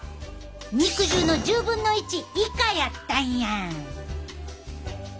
肉汁の１０分の１以下やったんや！